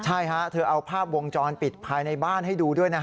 ใช่ฮะเธอเอาภาพวงจรปิดภายในบ้านให้ดูด้วยนะฮะ